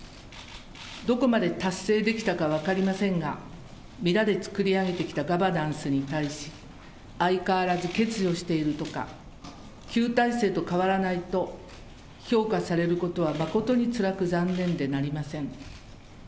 どこまで達成できたか分かりませんが、皆で作り上げてきたガバナンスに対し、相変わらず欠如しているとか、旧体制と変わらないと評価されることは誠につらく残念でなりません。